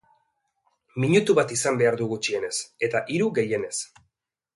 Minutu bat izan behar du gutxienez, eta hiru, gehienez.